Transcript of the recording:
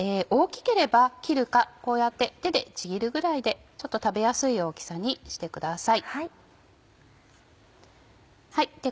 大きければ切るかこうやって手でちぎるぐらいで食べやすい大きさにしてください。